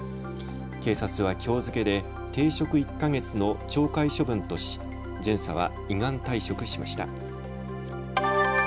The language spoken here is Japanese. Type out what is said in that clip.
警察はきょう付けで停職１か月の懲戒処分とし巡査は依願退職しました。